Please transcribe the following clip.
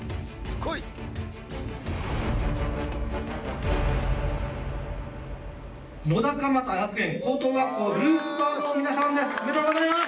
おめでとうございます！